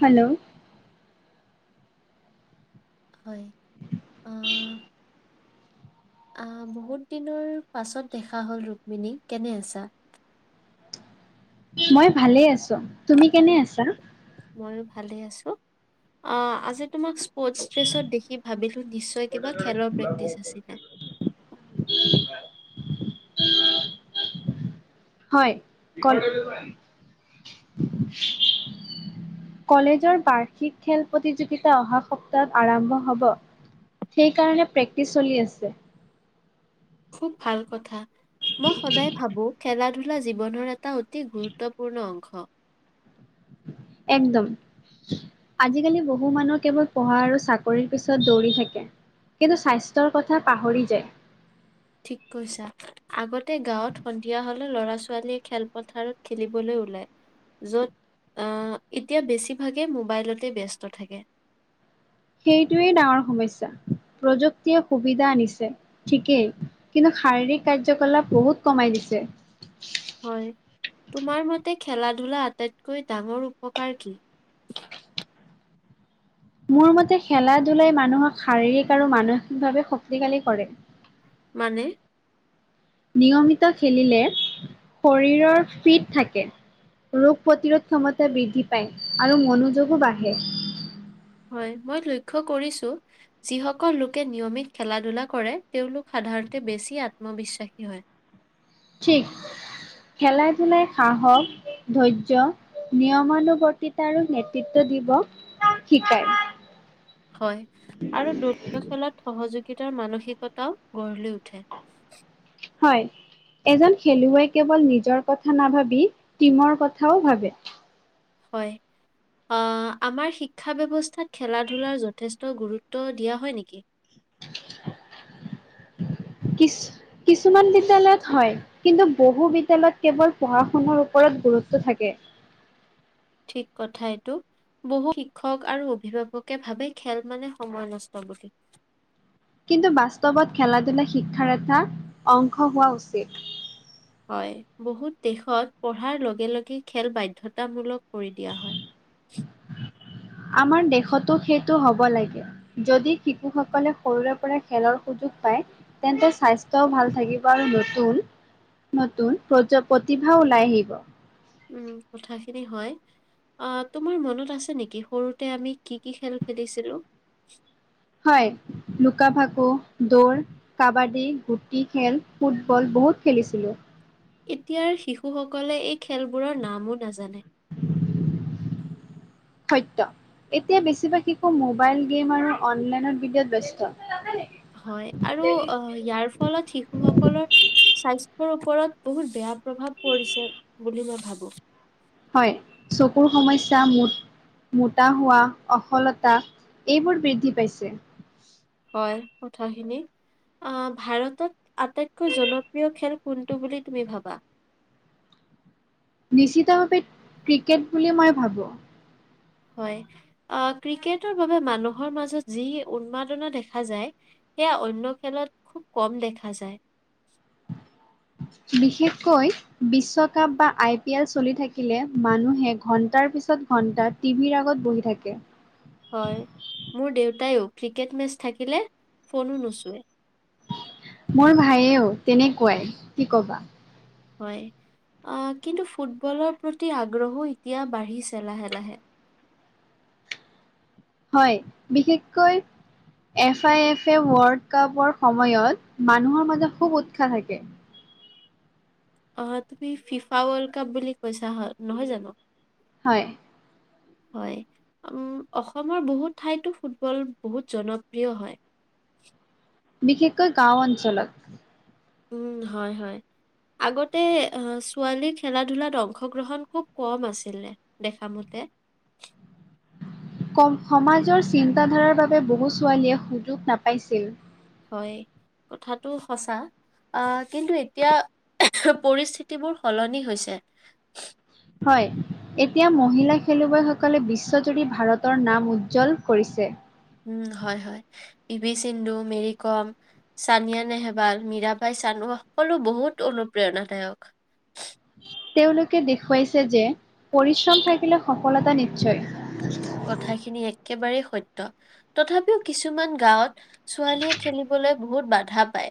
Hello হয়। আ আহ বহুত দিনৰ পাছত দেখা হল ৰুক্মিনী কেনে আছা। মই ভালে আছো তুমি কেনে আছা? ময়ো ভালে আছো, অ আজি তোমাক স্পৰ্টছ ড্ৰেছট দেখি ভাবিলো নিছ চয় কিবা খেলৰ প্ৰেক্টিচ আছিলে। উম উম [inaudible] হয় কল উম [inaudible] কলেজৰ বাৰ্ষিক খেল প্ৰতিযোগিতা অহা সপ্তাহত আৰম্ভ হব সেইকাৰণে প্ৰেক্টিচ চলি আছে খুব ভাল কথা মই সদায় ভাবো খেলা ধূলা জীৱনৰ এটা অতি গুৰুত্বপূৰ্ণ অংশ এনদম আজিকালি বহু মানুহ কেৱল পঢ়া আৰু চাকৰিৰ পিছত দৌৰি থাকে কিন্তু স্বাস্থ্যৰ কথা পাহৰি যায় ঠিক কৈছা আগতে গাঁৱত সন্ধিয়া হলে ল'ৰা ছোৱালীয়ে খেলপথাৰত খেলিবলৈ ওলায় য'ত আ এতিয়া বেছিভাগেই মোবাইলতে ব্যস্ত থাকে সেইটোৱেই ডাঙৰ সমস্যা প্ৰযুক্তিয়ে সুবিধা আনিছে ঠিকেই কিন্তু শাৰীৰিক কাৰ্যকলাপ বহুত কমাই দিছে হয় তোমাৰ মতে খেলা ধূলা আটাইতকৈ ডাঙৰ উপকাৰ কি মোৰ মতে খেলা ধূলাই মানুহক শাৰীৰিক আৰু মানসিকভাৱে শক্তিশালী কৰে মানে নিয়মিত খেলিলে শৰীৰৰ ফিট থাকে ৰোগ প্ৰতিৰোধ ক্ষমতা বৃদ্ধি পায় আৰু মনোযোগো বাঢ়ে হয় মই লক্ষ্য কৰিছো যিসকল লোকে নিয়মিত খেলা ধূলা কৰে তেওঁলোক সাধাৰণতে বেছি আত্মবিশ্বাসী হয় ঠিক খেলা ধূলাই সাহস ধৈৰ্য নিয়মানুবৰ্তিতা আৰু নেতৃত্ব দিব শিকায় হয় আৰু ৰ্দূত্ব ফলত সহযোগিতাৰ মানসিকতাও গঢ় লৈ উঠে হয় এজন খেলুৱৈ কেৱল নিজৰ কথা নাভাবি টিমৰ কথাও ভাবে হয় অ' আমাৰ শিক্ষা ব্যৱস্থাত খেলা ধূলাৰ যথেষ্ট গুৰুত্ব দিয়া হয় নেকি কিছ কিছুমান বিদ্যালয়ত হয় কিন্তু বহু বিদ্যালয়ত কেৱল পঢ়া শুনাৰ ওপৰত গুৰুত্ব থাকে ঠিক কথা এইটো বহু শিক্ষক আৰু অভিভাৱকে ভাবে খেল মানে সময় নষ্ট বুলি কিন্তু বাস্তৱত খেলা ধূলা শিক্ষাৰ এটা অংশ হোৱা উচিত হয় বহুত দেশত পঢ়াৰ লগে খেল বাধ্যতামূলক কৰি দিয়া হয় আমাৰ দেশতো সেইটো হ'ব লাগে যদি শিশুসকলে সৰুৰে পৰা খেলৰ সুযোগ পায় তেন্তে স্বাস্থ্য ভাল থাকিব আৰু নতুন নতুন প্ৰ প্ৰতিভা ওলাই আহিব উম কথাখিনি হয় অ তোমাৰ মনত আছে নেকি সৰুতে আমি কি কি খেল খেলিছিলো হয় লুকা ভাকু, দৌৰ কাবাডী, হুকি খেল, ফুটবল বহুত খেলিছিলো। এতিয়াৰ শিশু সকলে এই খেলবোৰৰ নামো নাজানে। সত্য এতিয়া বেছিভাগ শিশু মোবাইল গেম আৰু অনলাইনত ভিডিও ত ব্যস্ত হয় আৰু আহ ইয়াৰ ফলত শিশুসকলৰ স্বাস্থ্যৰ ওপৰত বহুত বেয়া প্ৰভাৱ পৰিছে বুলি মই ভাবো হয়, চকুৰ সমস্যা মোট মোটা হোৱা অখলতা এইবোৰ বৃদ্ধি পাইছে। হয়, কথাখিনি। অ', ভাৰতত আটাইতকৈ জনপ্ৰিয় খেল কোনটো বুলি তুমি ভাবা? নিশ্চিতভাৱে ক্ৰিকেট বুলি মই ভাবোঁ। হয়, আহ ক্ৰিকেটৰ বাবে মানুহৰ মাজত যি উন্মাদনা দেখা যায়। সেয়া অন্য খেলত খুব কম দেখা যায়। বিশেষকৈ বিশ্বকাপ বা আই পি এল চলি থাকিলে মানুহে ঘণ্টাৰ পিছত ঘন্টাত টিভিৰ আগত বহি থাকে। হয়, মোৰ দেউতায়েও ক্ৰিকেট মেচ থাকিলে ফোনো নুচোৱে। মোৰ ভায়েও তেনেকুৱাই কি ক'বা। হয়, আহ কিন্তু ফুটবলৰ প্ৰতি আগ্ৰহো এতিয়া বাঢ়িছে লাহে লাহে। হয়, বিশেষকৈ F I F A world কাপৰ সময়ত মানুহৰ মাজত খুব উৎসাহ থাকে। অ', তুমি ফিফা ৱৰ্ল্ড কাপ বুলি কৈছা হয় নহয় জানো? হয়। হয়, উম অসমৰ বহুত ঠাইতো ফুটবল বহুত জনপ্ৰিয় হয়। বিশেষকৈ গাঁও অঞ্চলত। উম, হয়, হয়। আগতে ছোৱালীৰ খেলা ধূলাত অংশগ্ৰহণ খুব কম আছিলে। দেখামতে কম সমাজৰ চিন্তাধাৰাৰ বাবে বহু ছোৱালীয়ে সুযোগ নাপাইছিল। হয়, কথাাতটো সঁচা। আহ কিন্তু এতিয়া পৰিস্থিতিবোৰ সলনি হৈছে। হয়, এতিয়া মহিলা খেলুৱৈসকলে বিশ্বজুৰি ভাৰতৰ নাম উজ্জ্বল কৰিছে। উম, হয়, হয়, পি ভি চিন্ধু, মেৰি কম। ছানিয়া নেহৱাল, মীৰা ভাই চানু বহুত অনুপ্ৰেৰণাদায়ক। তেওঁলোকে দেখুৱাইছে যে পৰিশ্ৰম থাকিলে সফলতা নিশ্চয়। কথাখিনি একেবাৰেই সত্য। তথাপিও কিছুমান গাঁৱত ছোৱালীয়ে খেলিবলৈ বহুত বাধা পায়।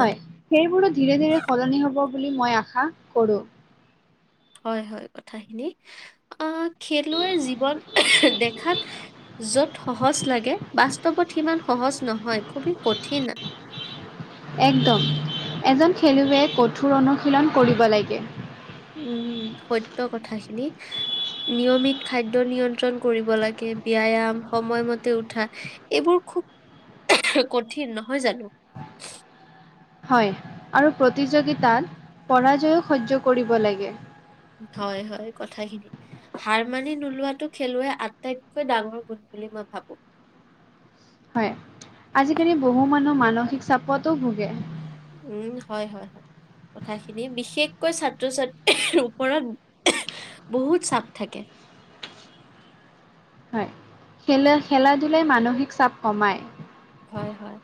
হয়, সেইবোৰো ধীৰে ধীৰে সলনি হ'ব বুলি মই আশা কৰো। হয়, হয়, কথাখিনি। আ খেলুৱৈ জীৱন দেখাত য'ত সহজ লাগে বাস্তৱত সিমান সহজ নহয় খুবেই কঠিন। একদম এজন খেলুৱৈয়ে কঠোৰ অনুশীলন কৰিব লাগে। উম, সত্য কথাখিনি। নিয়মিত খাদ্য নিয়ন্ত্ৰণ কৰিব লাগে, ব্যায়ম সময়মতে উঠা। এইবোৰ খুব কঠিন নহয় জানো। হয়, আৰু প্ৰতিযোগিতাত পৰাজয়ো সহ্য কৰিব লাগে। হয়, হয়, কথাখিনি। হাৰমানি নোলোৱটো খেলুৱৈ আটাইতকৈ ডাঙৰ গুণ বুলি মই ভাবো। হয়, আজিকালি বহু মানুহ মানসিক চাপতো ভোগে। উম, হয়, হয়। কথাখিনি বিশেষকৈ ছাত্ৰ ছাত্ৰীৰ ওপৰত বহুত চাপ থাকে। হয়, খেলুৱৈৰ খেলা ধূলাই মানসিক চাপ কমাই। হয়, হয়।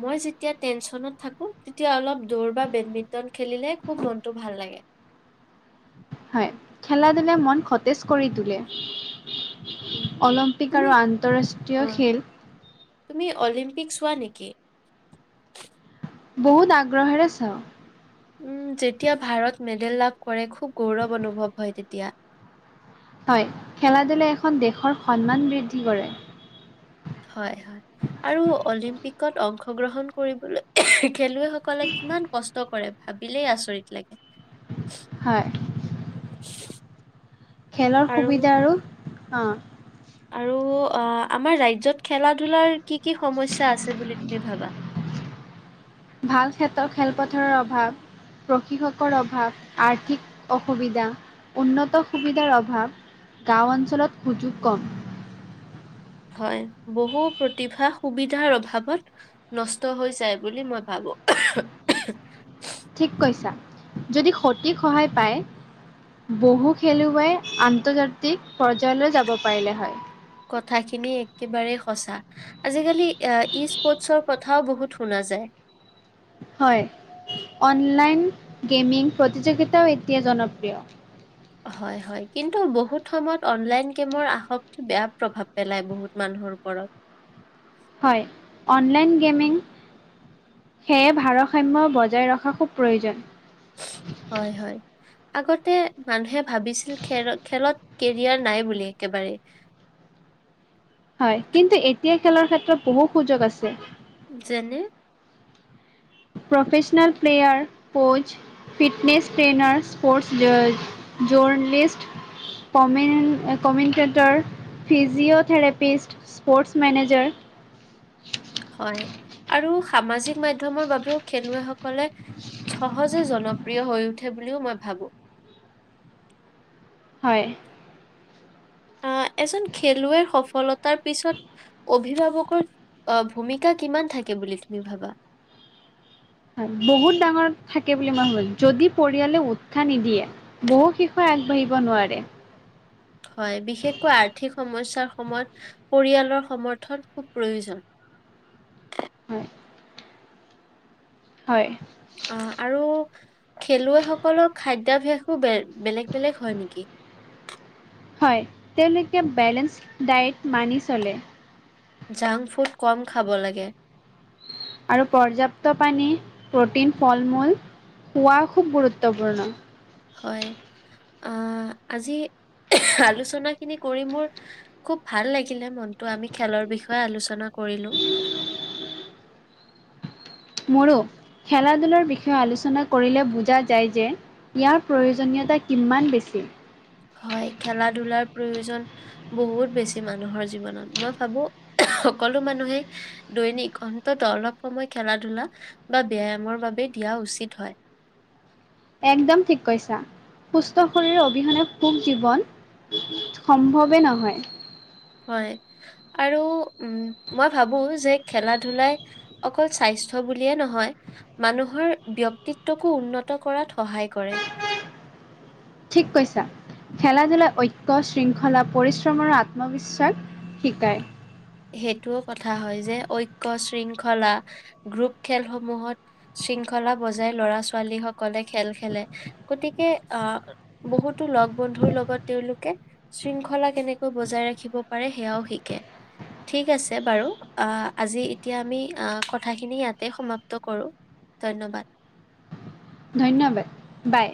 মই যেতিয়া টেনচনত থাকো। তেতিয়া অলপ দৌৰ বা বেডমিন্টন খেলিলে খুব মনটো ভাল লাগে। হয়। খেলা ধূলাই মন সতেজ কৰি তোলে। উম, অলিম্পিক তুমি আৰু আন্তঃৰাষ্ট্ৰীয় অ' খেল। তুমি অলিম্পিক চোৱা নেকি? বহুত আগ্ৰহেৰে চাও। উম', যেতিয়া ভাৰত মেডেল লাভ কৰে খুব গৌৰৱ অনুভৱ হয় তেতিয়া, হয়। খেলা ধূলাই এখন দেশৰ সন্মান বৃদ্ধি কৰে। হয় হয় আৰু অলিম্পিকত অংশগ্ৰহণ কৰিবলৈ খেলুৱৈসকলে কিমান কষ্ট কৰে ভাবিলেই আচৰিত লাগে। হয়। [inaudible] খেলৰ সুবিধা আৰু অ, আৰু অ, আমাৰ ৰাজ্যত খেলা ধূলাৰ কি কি সমস্যা আছে বুলি তুমি ভাবা। ভাল ক্ষেত্ৰৰ খেলপথাৰৰ অভাৱ। প্ৰশিক্ষকৰ অভাৱ, আৰ্থিক অসুবিধা, উন্নত সুবিধাৰ অভাৱ। গাঁও অঞ্চলত সুযোগ কম। হয় বহু প্ৰতিভা সুবিধাৰ অভাৱত নষ্ট হৈ যায় বুলি মই ভাবো। ঠিক কৈছা, যদি সটিক সহায় পায়। বহু খেলুৱৈ আন্তৰ্জাতিক পৰ্যায়লৈ যাব পাৰিলে হয়। কথাখিনি একেবাৰেই সঁচা আজিকালি এ ইচ পৰ্তছৰ কথাও বহুত শুনা যায়। হয়, অনলাইন গেমিং প্ৰতিযোগিতাও এতিয়া জনপ্ৰিয়। হয়, হয়, কিন্তু, বহুত সময়ত অনলাইন গেমৰ আসক্তি বেয়া প্ৰভাৱ পেলাই বহুত মানুহৰ ওপৰত। হয়, অনলাইন গেমিং সেয়ে ভাৰসাম্য বজাই ৰখা খুব প্ৰয়োজন। হয়, হয়। আগতে মানুহে ভাবিছিল, খেৰত খেলত কেৰিয়াৰ নাই বুলি একেবাৰে। হয়, কিন্তু, এতিয়া খেলৰ ক্ষেত্ৰত বহু সুযোগ আছে। যেনে professional player, coach fitness trainer, sports journalist. Commentator, physiotherapist. Sports manager. হয় আৰু সামাজিক মাধ্যমৰ বাবেও খেলুৱৈসকলে সহজে জন প্ৰিয় হৈ উঠে বুলিও মই ভাবোঁ। হয়। আ, এজন খেলুৱৈৰ সফলতাৰ পিছত অভিভাৱকৰ অ', ভূমিকা কিমান থাকে বুলি তুমি ভাবা? হয়, বহুত ডাঙৰ থাকে বুলি মই [unintelligible] যদি পৰিয়ালে উৎসাহ নিদিয়ে। বহু শিশুৱে আগবাঢ়িব নোৱাৰে। হয়, বিশেষকৈ আৰ্থিক সমস্যাৰ সময়ত পৰিয়ালৰ সমৰ্থন খুব প্ৰয়োজন। হয়। হয়। অ', আৰু খেলুৱৈসকলৰ খাদ্যাভ্যাসো বে-বেলেগ বেলেগ হয় নেকি? হয়, তেওঁলোকে বেলেঞ্চ ডায়েট মানি চলে। জাংক ফুড কম খাব লাগে। আৰু পৰ্যাপ্ত পানী, প্ৰটিন, ফল-মূল খোৱা খুব গুৰুত্বপূৰ্ণ। হয়, আ, আজি আলোচনা খিনি কৰি মোৰ খুব ভাল লাগিলে মনটো, আমি খেলৰ বিষয়ে আলোচনা কৰিলোঁ। মোৰো, খেলা ধূলাৰ বিষয়ে আলোচনা কৰিলে বুজা যায় যে ইয়াৰ প্ৰয়োজনীয়তা কিমান বেছি? হয়, খেলা ধুলাৰ প্ৰয়োজন। বহুত বেছি মানুহৰ জীৱনত, মই ভাবো সকলো মানুহেই- দৈনিক অন্তত অলপ সময় খেলা ধূলা বা ব্যয়ামৰ বাবে দিয়া উচিত হয়। একদম ঠিক কৈছা। সুস্থ শৰীৰৰ অবিহনে সুখ জীৱন সম্ভৱেই নহয়। হয় আৰু উম, মই ভাবোঁ যে খেলা ধূলাই অকল স্বাস্থ্য বুলিয়ে নহয় মানুহৰ ব্যক্তিত্বকো উন্নত কৰাত সহায় কৰে। ঠিক কৈছা। খেলা ধূলাই ঐক্য শৃংখলা পৰিশ্ৰম আৰু আত্মবিশ্বাস শিকাই। সেইটোও কথা হয় যে ঐকয় শৃংখলা গ্ৰুপ খেলসমূহত শৃংখলা বজাই ল'ৰা ছোৱালী সকলে খেল খেলে। গতিকে আহ' বহুতো লগ বন্ধুৰ লগত তেওঁলোকে শৃংখলা কেনেকৈ বজাই ৰাখিব পাৰে সেয়াও শিকে। ঠিক আছে বাৰু আ আজি এতিয়া আমি কথাখিনি ইয়াতে সমাপ্ত কৰো। ধন্যবাদ। ধন্যবাদ। বাই।